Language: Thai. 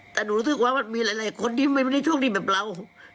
แต่หนูรู้สึกว่ามีหลายคนที่ไม่ได้โชคดีแบบเรา